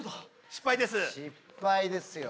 失敗ですよ。